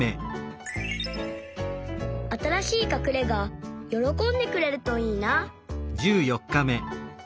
「あたらしいかくれがよろこんでくれるといいな」。